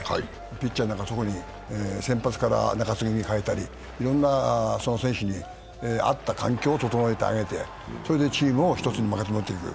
ピッチャーなんか特に先発から中継ぎに変えたりいろんな、その選手に合った環境を整えてあげて、それでチームを１つにまとめていく。